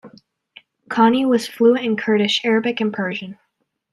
Khani was fluent in Kurdish, Arabic and Persian.